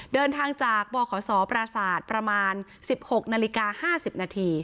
เดินทางจากบ่อขอสอประสาทประมาณ๑๖น๕๐น